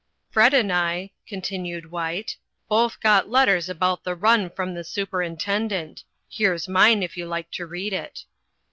"Fred and I," continued White, "both got letters about the run from the superintendent. Here's mine, if you'd like to read it."